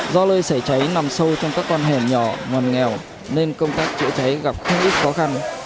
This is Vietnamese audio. do lơi xảy cháy nằm sâu trong các con hẻm nhỏ ngòn nghèo nên công tác chữa cháy gặp không ít khó khăn